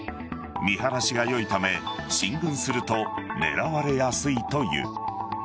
見晴らしが良いため進軍すると狙われやすいという。